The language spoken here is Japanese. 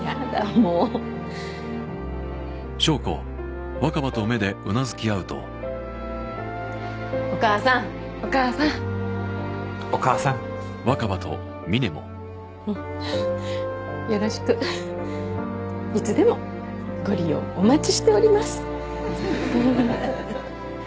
もうお母さんお母さんお母さんうんよろしくいつでもご利用お待ちしております